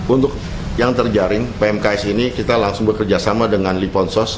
untuk yang terjaring pmks ini kita langsung bekerjasama dengan liponsos